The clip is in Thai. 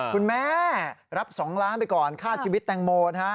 คุณแม่รับ๒ล้านไปก่อนฆ่าชีวิตแตงโมนะฮะ